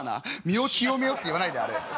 身を清めようって言わないであれ。